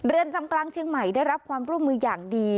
เรือนจำกลางเชียงใหม่ได้รับความร่วมมืออย่างดี